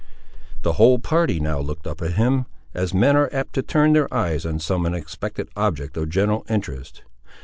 The whole party now looked up at him, as men are apt to turn their eyes on some unexpected object of general interest.